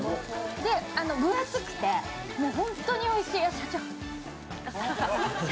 で、分厚くて、本当においしいあ、社長！